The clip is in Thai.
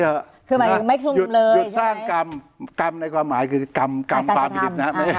คือหมายความหมายคือไม่ชุมเลยใช่ไหมหยุดสร้างกรรมกรรมในความหมายคือกรรมกรรมความผิดฤทธิ์นะฮะ